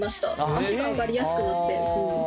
足が上がりやすくなって。